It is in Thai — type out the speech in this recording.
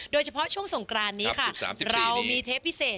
โดยเฉพาะช่วงสงกรานนี้ค่ะเรามีเทปพิเศษ